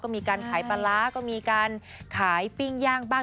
มีการขายปลาร้าก็มีการขายปิ้งย่างบ้าง